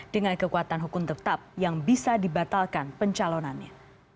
dengan kekuatan hukum tetap yang bisa dibatalkan pencalonannya